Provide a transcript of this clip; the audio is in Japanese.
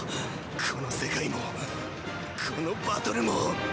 この世界もこのバトルも。